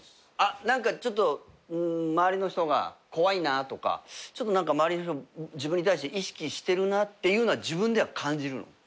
あっ何かちょっと周りの人が怖いなとかちょっと周りの人自分に対して意識してるなっていうのは自分では感じるの？